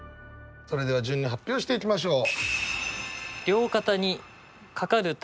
それでは順に発表していきましょう。